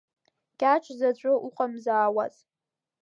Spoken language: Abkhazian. Кьаҿ заҵәы уҟамзаауаз.